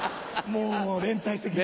もう連帯責任。